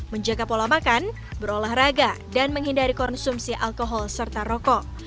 menjaga pola makan berolahraga dan menghindari konsumsi alkohol serta rokok